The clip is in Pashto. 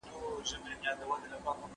سم نیت خوښي نه کموي.